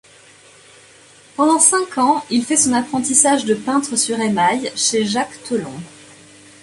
Pendant cinq ans il fait son apprentissage de peintre sur émail chez Jacques Teulon.